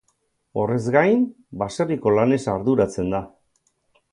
Horrez gain, baserriko lanez arduratzen da.